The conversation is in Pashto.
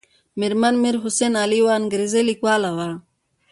مېرمن میر حسن علي یوه انګریزۍ لیکواله وه.